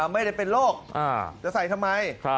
ไม่ได้เป็นโรคจะใส่ทำไม